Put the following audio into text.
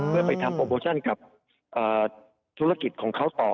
เพื่อไปทำโปรโมชั่นกับธุรกิจของเขาต่อ